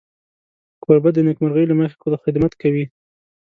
کوربه د نېکمرغۍ له مخې خدمت کوي.